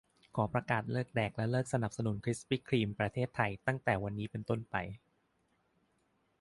ขอประกาศเลิกแดกและเลิกสนับสนุนคริสปี้ครีม ประเทศไทย ตั้งแต่วันนี้เป็นต้นไป